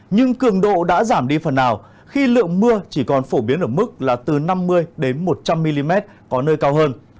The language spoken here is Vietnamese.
nhưng cường độ đã giảm đi phần nào khi lượng mưa chỉ còn phổ biến ở mức là từ năm mươi đến một trăm linh mm có nơi cao hơn